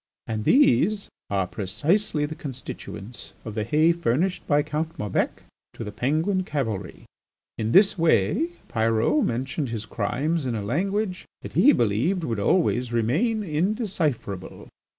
And these are precisely the constituents of the hay furnished by Count Maubec to the Penguin cavalry. In this way Pyrot mentioned his crimes in a language that he believed would always remain indecipherable.